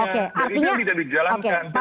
oke artinya pak pandu artinya